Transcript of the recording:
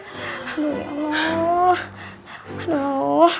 aduh ya allah